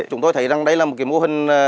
chúng tôi thấy rằng đây là một mô hình